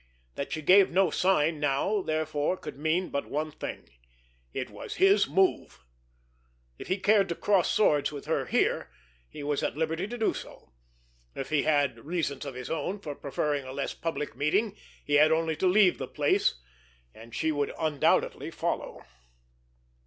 That she gave no sign now therefore could mean but one thing. It was his move. If he cared to cross swords with her here, he was at liberty to do so; if he had reasons of his own for preferring a less public meeting, he had only to leave the place—and she would undoubtedly follow.